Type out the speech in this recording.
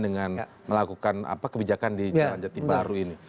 dengan melakukan kebijakan di jalan jati baru ini